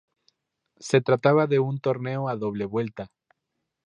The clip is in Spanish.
Se trataba de un torneo a doble vuelta.